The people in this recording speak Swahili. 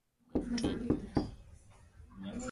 mtu huyo alibaki akielea juu ya bahari